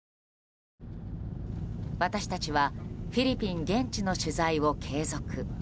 私たちはフィリピン現地の取材を継続。